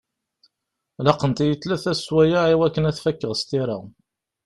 Laqent-iyi tlata n sswayeɛ i wakken ad t-fakeɣ s tira.